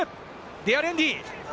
デアリエンディ。